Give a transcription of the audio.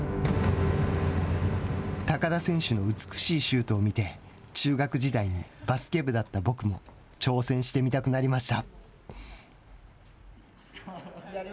高田選手の美しいシュートを見て中学時代にバスケ部だった僕も挑戦してみたくなりました。